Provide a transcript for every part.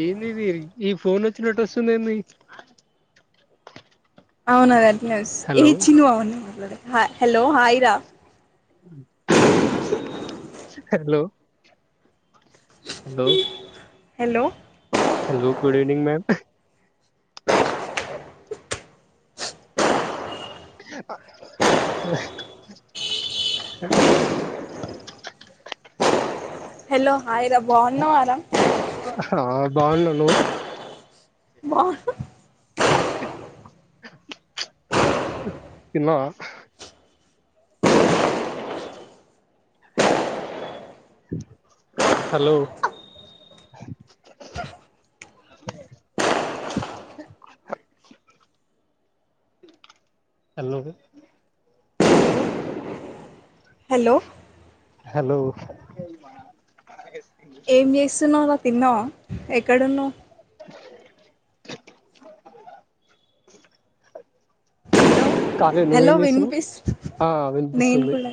ఏంది మీ ఈ ఫోన్ వచ్చినటు వస్తుంది ఏంది అవునద ఇస్ ఏ హలో చినవావును మల హలో హలో హయిరా hello hello hello hello good evening ma'am hello hi రా బాగున్నావా రా ఆ బాగున్నా నువ్ మా ఇన్న హలో హలో హలో హలో ఏం చేస్తున్నావు నా తిన్నావు కడను హలో కాలే హలో నువ్వేం విన్ చేస్తున్నావ్ పీస్ ఆ నైయిన్ వినిపిస్తుంది కూడా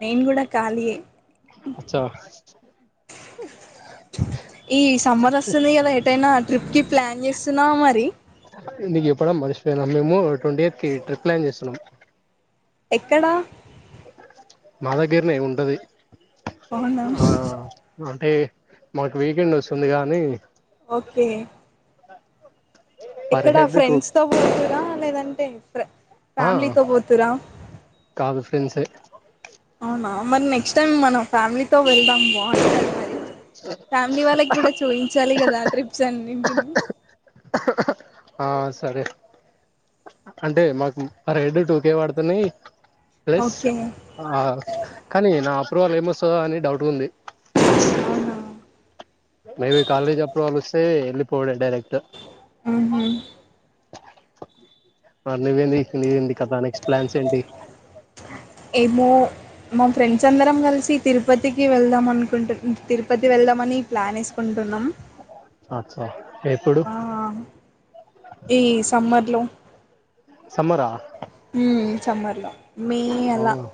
నైయిన్ కూడాడా కాలి అచ్చా ఈ సమ్మర్ వస్తుంది కదా ఎటైనా ట్రిప్ కి ప్లాన్ చేస్తున్నా మరి నీకు చెప్పడం మర్చిపోయినా మేము ట్వంటీ ఎయిత్ కి ట్రిప్ ప్లాన్ చేస్తున్నాము ఎక్కడ మాదగిరినే ఉంటది అవునా ఆ అంటే మాకు వీకెండ్ వస్తుంది కాగానీ ఓకే పర్ ఎక్కడ హెడ్ టూ ఫ్రెండ్స్ తో కూనా లేదంటే ఆ ఫ్యామిలీతో పోతురా కాదు ఫ్రెండ్సే అవునా మరి నెక్స్ట్ టైమ్ మనం ఫ్యామిలీతో వెళ్దాం బావుంటాది మరి ఫ్యామిలీ వాళ్ళకి కూడా చూయించాలి కదా ట్రిప్స్ అన్నింటిని అహ్ అహ్ ఆ సరే అంటే మాకు ఆ రెడ్ టూకే వాడుతున్నాయి ప్లస్ ఓకే ఆ కానీ నా ప్రువల్ ఏమొస్తదా అని డౌట్ గుంది అవునా మేబీ కాలేజ్ అప్రూవల్ వస్తే ఎళ్ళిపోవుడే డైరెక్ట్ ఊహు [inaudible] మత్ నువ్వేంది నీవేంది కథా నెక్స్ట్ ప్లాన్స్ ఏంటి ఏమో మా ఫ్రెండ్స్ అందరం కలిసి తిరుపతికి వెళ్దాం అను ఉంటద్ తిరుపతి వెళ్దామని ప్లాన్ ఏసుకుంటున్నాం చ ఎప్పుడు ఆ ఈ సమ్మర్లో సమ్మరా ఉమ్ సమ్మర్లా మే అల అవునా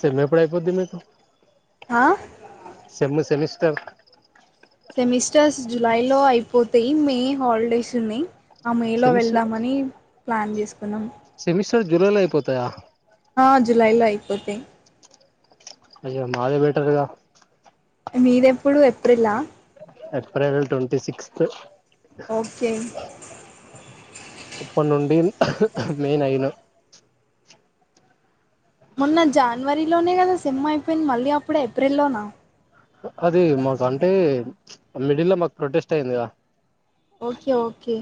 సెమ్ ఎప్పుడు అయిపోద్ది మీకు ఆ sem semester semesters July లో అయిపోతాయి మే హాలిడేస్ ఉన్నాయి్ ఆ మేలో సెమిస్టర్ వెళ్దామని ప్లాన్ చేసుకున్నాం సెమిస్టర్ జులై లో అయిపోతాయా హా జులైలో అయిపోతాయ్ అయ మాదే బెటర్ కదా మీదెప్పుడు ఎప్రిల్లా ఏప్రెల్ ట్వంటీ సిక్స్త్ ఓకే ఉప్పట్ నుండి అహ్ అహ్ మే నైను మొన్న జాన్వరిలోనే కదా సెమ్ అయిపోయింది మళ్ళీ అప్పుడే ఏప్రెల్లోనా అది మాకంటే మిడిల్ లో మాకు ప్రొటెస్ట్ అయిందిగా ఓకే ఓకే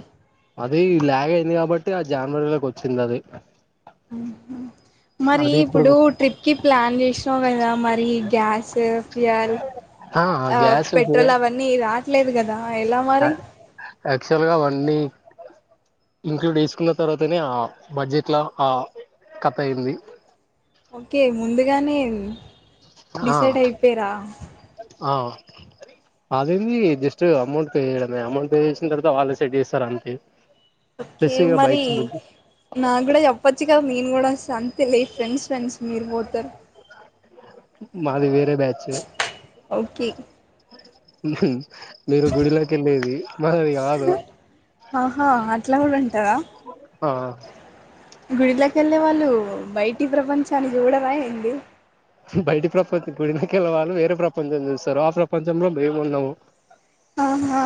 అది ల్యాగ్ అయింది కాబట్టి ఆ జాన్వరిలోకి వచ్చింది అది ఊహు మరి ఇప్పుడు ట్రిప్ కి ప్లాన్ జేశ్నావ్ గదా మరి గ్యాస్ ఫ్యుయాల్ ఆ పెట్రోల్ అవన్నీ రా ట్లేదు కదా ఎలా ఆ మరి యాక్టువల్ గా అన్నీ ఇంక్లూడ్ చేసుకున్న తర్వాతనే ఆ బడ్జెట్ లా ఆ కథ అయింది ఓకే ముందుగానే ఆ డిసైడ్ అయిపోయరా ఆ అదేంది జస్ట్ అమౌంట్ పే చేయడమే అమౌంట్ పే చేసిన తర్వాత వాళ్ళే సెట్ చేస్తారు అంతే ఓకే ప్లస్ ఇగ మరి బైక్స్ బుక్ నాకు కూడా చెప్పచ్చు కదా నేను కూడా వస్తాను తిలే ఫ్రెండ్స్ ఫ్రెండ్స్ మీరు పోతారు మాదివే బ్యాచ్ ఓకే ఊహూ మీరు గుడిలోకి వెళ్ళేది మనది కాదు ఆహా అట్లా కూడా ఉంటదా ఆ గుడిలోకి వెళ్ళే వాళ్ళు బయటి ప్రపంచానికి చూడరా ఏంది బయటి ప్రపంచం గుడినకెళ్ళవాళ్ళు వేరే ప్రపంచం చూస్తారు ఆ ప్రపంచంలో మేము ఉండము ఆహా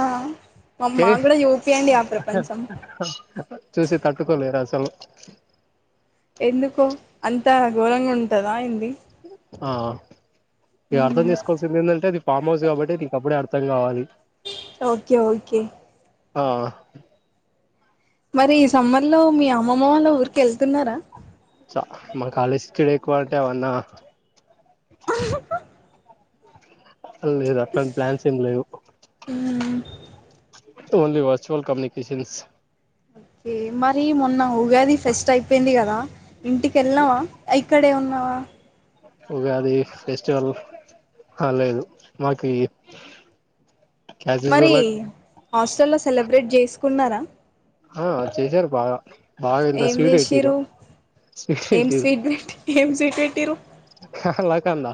మామ్ మా కూడా యూపి అండి ఆ ప్రపంచం చల ఎందుకో అంత ఘోరంగా ఉంటదా ఏంది ఆ ఇవి అర్థం మ్మ్ చేసుకోవాల్సింది ఏంటంటే అది ఫామ్ హౌస్ కాబట్టి నీక అప్పుే అర్థం కావాలి ఓకే ఓకే ఆ మరి సమ్మర్ లో మీ అమ్మమ్మ వాళ్ళ ఊరికి వెళ్తున్నారా చ మా కాలేజ్కిడ ఎక్కువ అంటే ఏవన్నా ఆహా హా [unintelligible] ప్లాన్స్ ఏం లేవు మ్ ఓన్లీ వర్చువల్ కమ్యూనికేషన్స్ ఓకే మరి మొన్న ఉగాది ఫెస్ట్ అయిపోయింది కదా ఇంటికి వెళ్ళావా ఇక్కడే ఉన్నావా ఉగాది ఫెస్టివల్ ఆ లేదు మాకి యాజ్ మరి యూజువల్ గా హాస్టల్లో సెలబ్రేట్ చేసుకున్నారా ఆ చేశారు బాగా బావింత ఏం స్వీడ్ ఇటిరు చేసిర్రు స్వీడ్ ఏం ఇట్రు స్వీట్ పెట్టి ఏం స్వీట్ పెట్టిరు కల కంద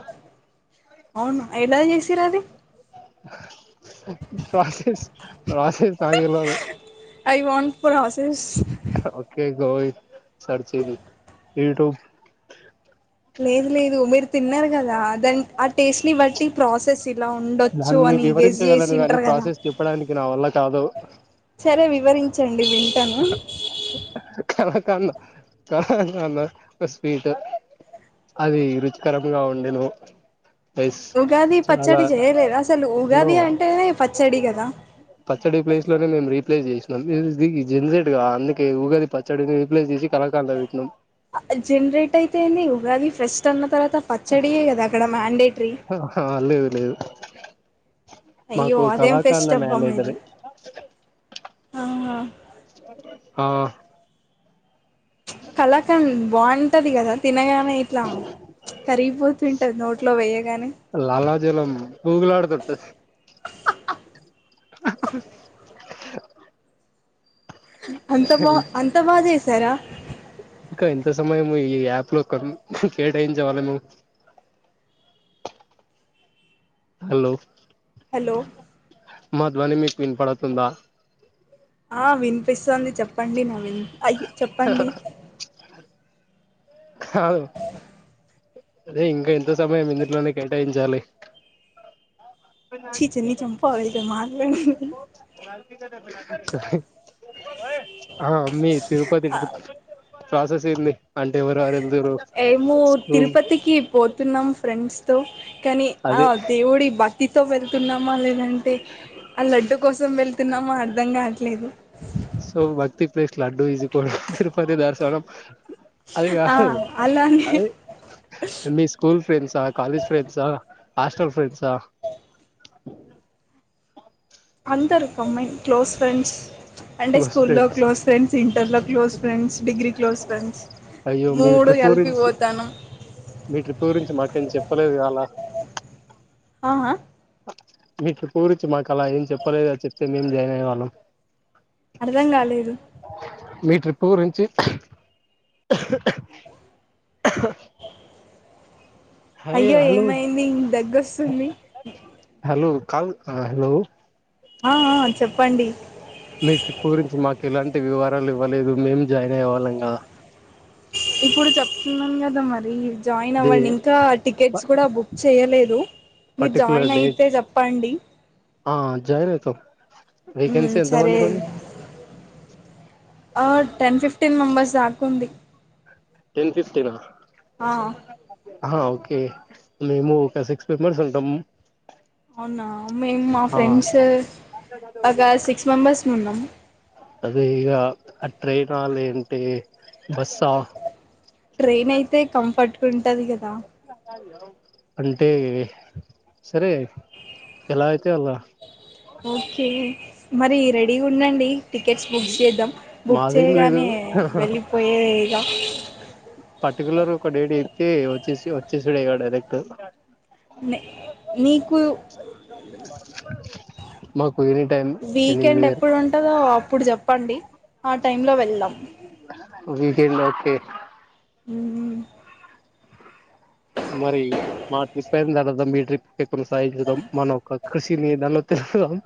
అవును ఎలా చె ప్రాసెస్ రాశ తగిలో అదు I want process okay go search the YouTube లేదు లేదు మీరు తిన్నారు కదా అ దం ఆ టేస్ట్ని బట్టి ప్రాసెస్ ఇలా ఉండొచ్చు దాన్ని అని గెస్ వివరించగలను గాని చేసింటారు కదా ప్రాసెస్ చెప్పడానికి నా వల్ల కాదు సరే వివరించం అండి వింటాను కన్ కన్నా స్వీట్ అది రుచికరంగా ఉండెను ఎస్ ఉగాది చాలా పచ్చడి చేయలేదా అసలు నో ఉగాది అంటేనే పచ్చడి కదా ప్లే చేసినం ఎద్ధి [unintelligible] ఎక్సయిట్ గా అందుకే ఊగాది పచ్చడిని రీప్లేస్ చేసి కలకారులో పెట్టిన్నాం జెన్రేట్ అయితేనే ఉగాది ఫ్రెస్ట్ అన్న తర పచ్చడియే కదా అక్కడ మ్యాండేటరీ లేద్ అయ్యో మాకు అదేం కలాకాండ ఫెస్ట్ మ్యాండేటరీ హ హా ఆ కళకన్ బాన్ వుంటది గదా తిన ఇట్లా కరిగిపోతుంటంది నోట్లో వెయ్యగానే లాలాజలం అ ఆ అంత బా అంత బాగసే సర ఇంకా ఎంత సమయము ఈ యాప్ లో కొం కేటాయించవలెను హలో హలో మా ధ్వని మీకు వినపడుతందా ఆ వినిపిస్తుంది చెప్పండి నవీన్ అయ్య చెప్పండి కాదు అదే ఇంకా ఎంత సమయం ఇందుట్లోనే కేటాయించాలి చీచీ నీ చంప పగు మార్ [unintelligible] ఆ అమ్మీ తిరుపతి కి [inaudible] ప్రాసెస్ ఏంది అంటే ఎవరెవరు వెళ్తురు ఏమో స్కూల్ తిరుపతికి పోతున్నాం ఫ్రెండ్స్ తో కానీ ఆ అదే దేవుడి భక్తి తో వెళ్తున్నామా లేదంటే ఆ లడ్డు కోసం వెళ్తున్నామో అర్ధం గాట్లేదు ప్లస్ లడ్డు ఇజికోల్టు తిరుపతి దర్శనం అది ఆ కాదు అలానే అది మీ స్కూల్ ఫ్రెండ్సా కాలేజ్ ఫ్రెండ్సా హాస్టల్ ఫ్రెండ్సా అందరూ కంబైన్ క్లోస్ ఫ్రెండ్స్ అంటే క్లోజ్ స్కూల్లో ఫ్రెండ్స్ క్లోజ్ ఫ్రెండ్స్ ఇంటర్లో close friends degree close friends అయ్యో మీ మూడు ట్రిప్ కలిపి గురించి పోతాను మీ ట్రిప్ గురించి మాకేం చెప్పలేదు అలా ఆహా మీకు పూర్చు మాకు అలా ఏం చెప్పలేదు చెప్తే మేం జాయిన్ అయ్యేవాళ్ళం అర్థం గాలేదు మీ ట్రిప్పు గురించి [unintelligible] హయ్ అయ్యో హలో ఏమైంది ఇ దగ్గొస్తుంది హలో కాల్ ఆ హలో ఆ ఆ చెప్పండి మీ ట్రిప్ గురించి మాకు ఎలాంటి వివరాలు ఇవ్వలేదు మేం జాయిన్ అయ్యే వాళ్ళం కదా ఇప్పుడు చెప్తున్నాం కదా మరి జాయిన్ దే అవ్వండి ఇంకా టికెట్స్ కూడా బుక్ చేయలేదు మీరు పర్టిక్యులర్ జాయిన్ డేట్ అయితే చెప్పండి ఆ జాయిన్ ఐతం ఉమ్ వేకెన్సీ ఎంతమంది సరే కుంది ఆ టెన్ ఫిఫ్టీన్ మెంబెర్స్ దాకుంది టెన్ ఫిఫ్టీనా ఆ ఆ ఓకే మేము ఒక సిక్స్ మెంబర్స్ ఉంటాం అవునా మేము మా ఆ ఫ్రెండ్స్ ఒక సిక్స్ మెంబెర్స్ ఉన్నాము అదే ఇగ ఆ ట్రైనా లేదంటే బస్సా ట్రైన్ అయితే కంఫర్ట్ ఉంటది కదా అంటే సరే ఎలా అయితే అలా ఓకే మరి రెడీగా ఉండండి టికెట్స్ బుక్ చేద్దాం బుక్ మాదేం లేదు చేయగానే వెళ్ళిపోయేక పర్టి్యులర్ ఒక డే తి వచ్చి వచ్చిసిడ ఇ డైరక్ట్ న నీకు మ వీకెండ్ ఎప్పుడు ఉంటందో ఇప్పుడు చెప్పండి ఆ టైంలో వెళ్దాం విక ఓకే ఉ మరి మా ట్రిప్ ఏం దరాం మీ ట్రిప్ కొనసాించాం మనం కృషినిదన్న వత్త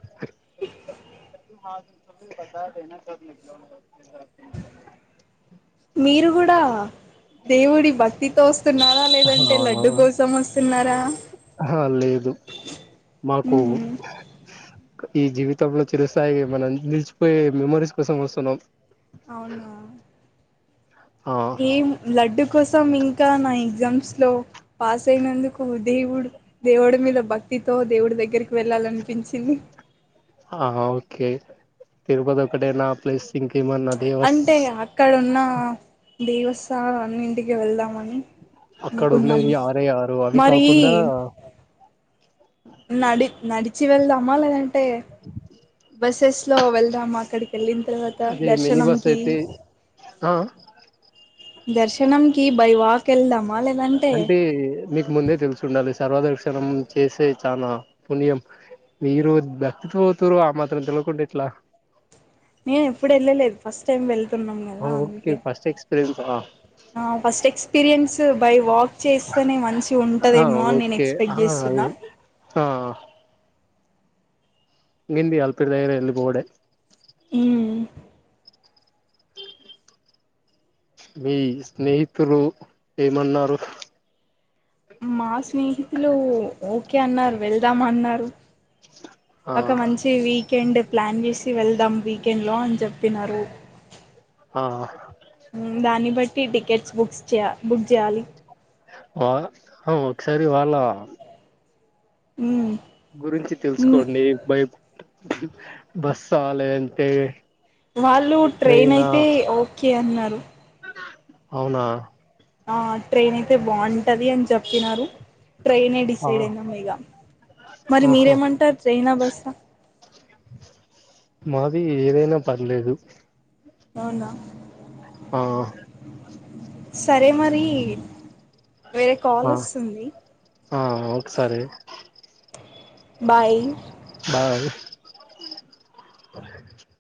స పతదనా క మీరు కూడా దేవుడి భక్తితో వస్తున్నారా లేదంటే లడ్డు కోసం వస్తున్నారా ఆహ లేదు మాకు ఈ జీవితంలో చిరు స్థాయి మనం నిలిచిపోయే మెమరీస్ కోసం వస్తున్నాం అవునా ఆ ఏం లడ్డుకుస్త సం ఇంకా నా ఎగ్జామ్స్ లో పాస్ అయినందుకు దేవుడు దేవుడి మీద భక్తితో దేవుడి దగ్గరికి వెళ్ళాలనిపించింది ఆ ఓకే తిరుపతి ఒక్కటే నా ప్లేస్ అంటే అక్కడ ఉన్న దేవస్థాల అన్ని ఇంటికి వెళ్దామని అక్కడ అనుకున్నాం ఉన్నవి ఆరే ఆరు అవి మరి కాకుండా చివెళ్దామా లేదంటే ట్టే బసెస్ లో వెళ్దాం అక్కడికి వెళ్ళిన తర్వాత అదే మినీ బస్ దర్శనంకి అయితే ఆ దర్శనంకి బై వాకిళ్దాం అంటే మీకు ముందే తెలుసుండాలి సర్వదర్శనం చేసే చాలా పుణ్యం మీరు భక్తితో పోతరు ఆ మాత్రం తెలయకుండా ఇట్లా నేన్ ఎప్పుడు ఎళ్ళలేదు ఫస్ట్ టైం వెల్ న్నా కదా ఓకే అందుకే ఫస్ట్ ఎక్స్పీరియన్స్ ఆ ఫస్ట్ ఎక్స్పీరియన్స్ బై వాక్ చేస్తేనే మంచి ఆ ఉంటదేమో అని నేను ఓకే ఎక్స్పెక్ట్ ఆ చేస్తున్నా అదే ఆ గింది అల్పిర్దగ [inaudible] మ్ మీ స్నేహితులు ఏమన్నారు మాస్ స్నేహితులు ఒకే అన్నారు వెళ్దామన్నారు అ హ్ ఆ ఒక మంచి వీకెండ్ ప్లాన్ జేసి వెళ్దాం వీకెండ్లో అన్ చెప్పినరు ఆ మ్ దాన్ని బట్ ఫ్రీ టికెట్స్ బుక్స్ చేయ బుక్ జేయాలి. వా అహ్ ఒకసారి వాళ్ళా ఉమ్ గురించి తెలుసుకోండి ఏం భయం బస్ రాలే అంతే వాళ్ళు ట్రైన్ అయితే ఓకే అన్నారు. అవునా ఆ ట్రైన్ అయితే బావుటది అని చెప్పినరు. ట్రైనే ఆ డిసైడ్ అయినం ఇగ మరి ఆహా మీరేమంటారు ట్రైనా బస్సా మాది ఏదైనా పర్లేదు. అవునా ఆ సరే మరీ వేరే ఆ కాలొస్తుంది. ఆ ఒకసారి బాయ్ బాయ్ [unintelligible]